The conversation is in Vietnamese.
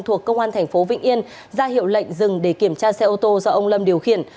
thuộc công an thành phố vĩnh yên ra hiệu lệnh dừng để kiểm tra xe ô tô do ông lâm điều khiển